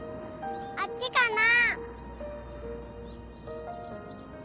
あっちかな？